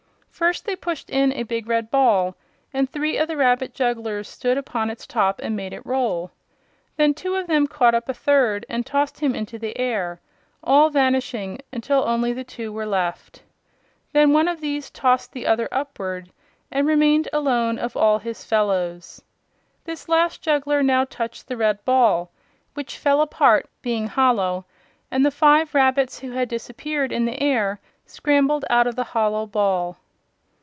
First, they pushed in a big red ball and three of the rabbit jugglers stood upon its top and made it roll. Then two of them caught up a third and tossed him into the air, all vanishing, until only the two were left. Then one of these tossed the other upward and remained alone of all his fellows. This last juggler now touched the red ball, which fell apart, being hollow, and the five rabbits who had disappeared in the air scrambled out of the hollow ball.